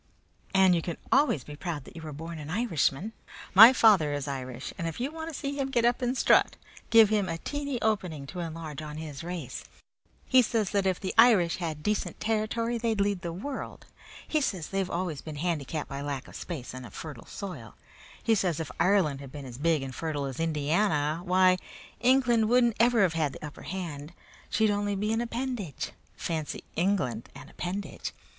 "And you can always be proud that you are born an Irishman. My father is Irish, and if you want to see him get up and strut give him a teeny opening to enlarge on his race. He says that if the Irish had decent territory they'd lead the world. He says they've always been handicapped by lack of space and of fertile soil. He says if Ireland had been as big and fertile as Indiana, why, England wouldn't ever have had the upper hand. She'd only be an appendage. Fancy England an appendage!